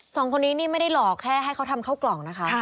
สองคนนี้นี่ไม่ได้หลอกแค่ให้เขาทำเข้ากล่องนะคะ